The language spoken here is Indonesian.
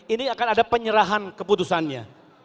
ini akan ada penyerahan keputusannya